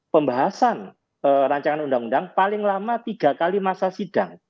pembahasan rancangan undang undang paling lama tiga kali masa sidang